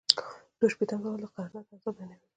دوه شپیتم سوال د قرارداد اجزا بیانوي.